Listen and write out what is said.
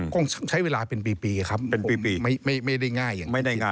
ต้องใช้เวลาเป็นปีครับไม่ได้ง่ายอย่างนี้